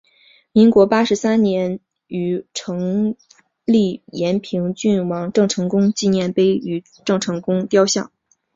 民国八十三年于庙埕立延平郡王郑成功纪念碑与郑成功雕像。